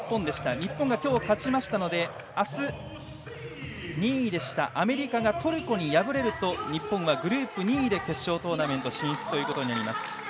日本が今日、勝ったのであす、２位でしたアメリカがトルコに敗れると日本はグループ２位で決勝トーナメント進出となります。